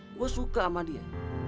gue suka sama dia